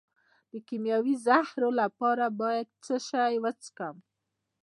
د کیمیاوي زهرو لپاره باید څه شی وڅښم؟